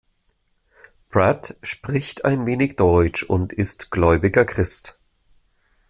Pratt spricht ein wenig Deutsch und ist gläubiger Christ.